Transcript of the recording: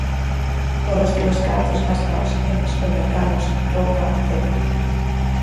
O resto dos cartos gástaos en supermercados, roupa etcétera.